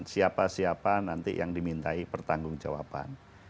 siapa siapa nanti yang dimintai pertanggung jawaban